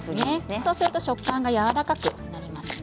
そうすると食感がやわらかくなりますね。